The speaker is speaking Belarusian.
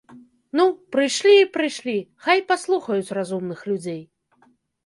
Ну, прыйшлі і прыйшлі, хай паслухаюць разумных людзей.